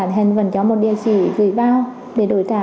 thì đổi trả hình vần cho một địa chỉ gửi bao để đổi trả